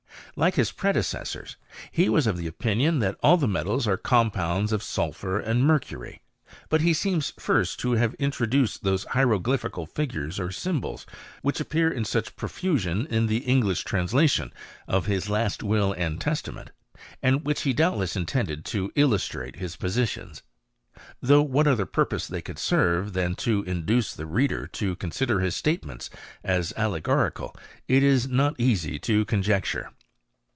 . like his predecessors, he was of opinion that all the metals are compounds of sulphur and mercury. But he seems first to have introduced those hiero glyphical figures or symbols, which appear in such profusion in the English translation of his Last Will and Testament, and which he doubtless intended to illustrate his positions. Though what other purpose they could serve, than to induce the reader to conoder his statements as allegorical, it is not easy to conjec ture.